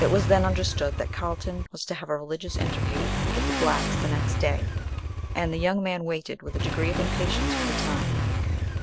It was then understood that Carlton was to have a religious interview with the blacks the next day, and the young man waited with a degree of impatience for the time.